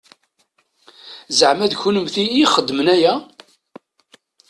Zeɛma d kennemti i ixedmen aya?